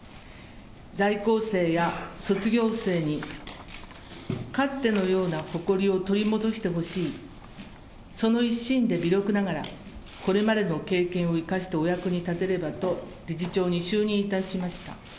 在校生や卒業生にかつてのような誇りを取り戻してほしい、その一心で微力ながら、これまでの経験を生かしてお役に立てればと、理事長に就任いたしました。